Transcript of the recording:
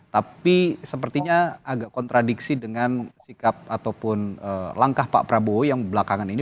tapi sepertinya agak kontradiksi dengan sikap ataupun langkah pak prabowo yang belakangan ini